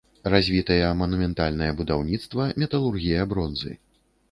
Развітыя манументальнае будаўніцтва, металургія бронзы.